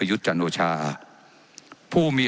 ว่าการกระทรวงบาทไทยนะครับ